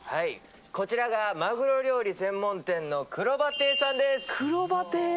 こちらがマグロ料理専門店のくろば亭さんです。